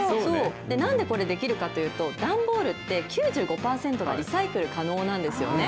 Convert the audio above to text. なんでこれできるかというと、段ボールって９５％がリサイクル可能なんですよね。